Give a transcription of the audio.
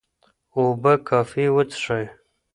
اوبه کافي وڅښئ.